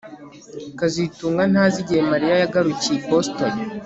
kazitunga ntazi igihe Mariya yagarukiye i Boston